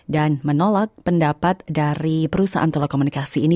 dan menolak pendapat dari perusahaan telekomunikasi ini